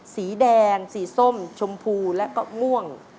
สีแดงสีส้มชมพูและก็ง่วง